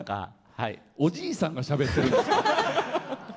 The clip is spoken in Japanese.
おじいさんがしゃべってる。